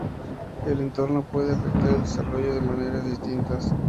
El entorno puede afectar el desarrollo de maneras distintas.